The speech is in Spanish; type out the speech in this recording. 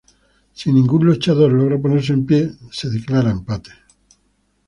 Si ningún luchador logra ponerse de pie, la lucha es declarada empate.